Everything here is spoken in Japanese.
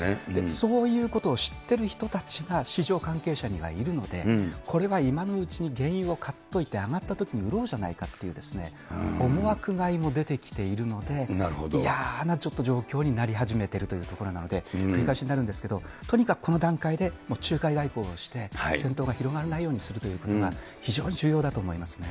そういうことを知っている人たちが市場関係者にはいるので、これは今のうちに原油を買っといて上がったときに売ろうじゃないかという、思惑買いも出てきているので、いやーなちょっと状況になり始めているというところなので、繰り返しになるんですけど、とにかくこの段階で仲介外交をして、戦闘が広がらないようにするということが非常に重要だと思いますね。